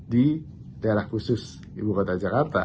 di daerah khusus ibu kota jakarta